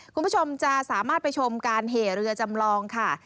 คุณผู้ชมจะสามารถไปชมการเหเรือจำลองค่ะ